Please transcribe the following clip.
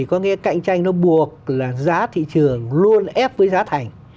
có nghĩa cạnh tranh nó buộc là giá thị trường luôn ép với giá thành